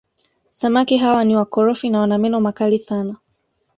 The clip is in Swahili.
samaki hawa ni wakorofi na wana meno makali sana